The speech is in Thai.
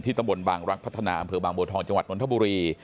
ตำบลบางรักพัฒนาอำเภอบางบัวทองจังหวัดนทบุรี